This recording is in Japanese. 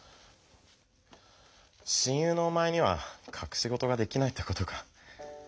親友のおまえにはかくしごとができないってことか。